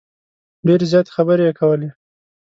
ډیرې زیاتې خبرې یې کولې.